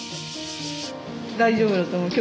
大丈夫だと思う。